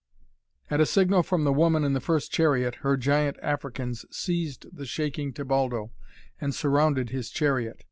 At a signal from the woman in the first chariot her giant Africans seized the shaking Tebaldo and surrounded his chariot.